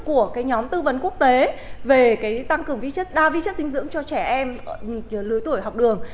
của nhóm tư vấn quốc tế về tăng cường vi chất đa vi chất dinh dưỡng cho trẻ em lưới tuổi học đường